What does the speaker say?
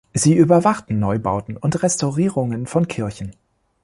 Sie überwachten Neubauten und Restaurierungen von Kirchen.